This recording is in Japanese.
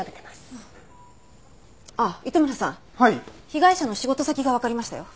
被害者の仕事先がわかりましたよ。